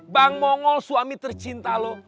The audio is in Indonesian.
bang mongol suami tercinta loh